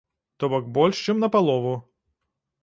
То бок, больш чым на палову.